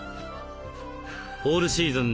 オールシーズン